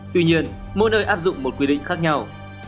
tuy nhiên mỗi nơi áp dụng một quy định khác nhau